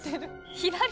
左。